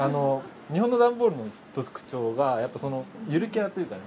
日本の段ボールの特徴がやっぱそのゆるキャラっていうかね。